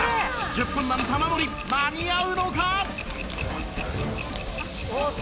１０分マン玉森間に合うのか？